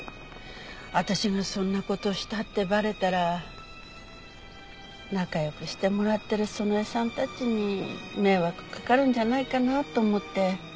私がそんな事をしたってバレたら仲良くしてもらってる園枝さんたちに迷惑かかるんじゃないかなと思って。